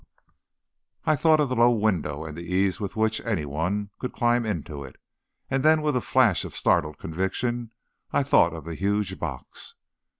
I thought of the low window, and the ease with which any one could climb into it; and then, with a flash of startled conviction, I thought of the huge box.